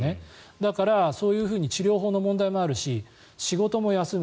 だから、そういうふうに治療法の問題もあるし仕事も休む。